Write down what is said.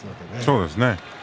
そうですね。